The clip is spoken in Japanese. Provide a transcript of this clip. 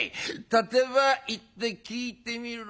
立て場行って聞いてみろ。